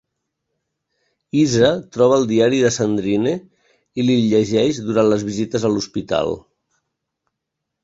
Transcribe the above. Isa troba el diari de Sandrine i li'l llegeix durant les visites a l'hospital.